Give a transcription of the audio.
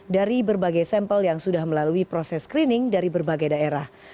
dari berbagai sampel yang sudah melalui proses screening dari berbagai daerah